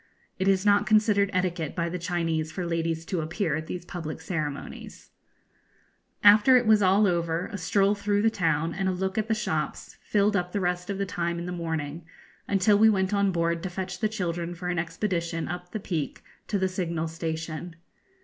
It is not considered etiquette by the Chinese for ladies to appear at these public ceremonies. [Illustration: Chinese Visiting Cards] After it was all over, a stroll through the town, and a look at the shops, filled up the rest of the time in the morning, until we went on board to fetch the children for an expedition up the Peak to the signal station.